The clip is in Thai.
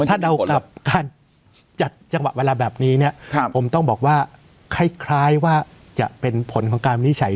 ถ้าเดากับการจัดจังหวะเวลาแบบนี้เนี่ยผมต้องบอกว่าคล้ายว่าจะเป็นผลของการวินิจฉัย